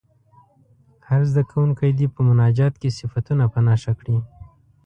هر زده کوونکی دې په مناجات کې صفتونه په نښه کړي.